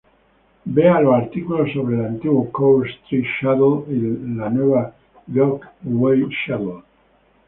Vea los artículos sobre el antiguo Court Street Shuttle y la nueva Rockaway Shuttle.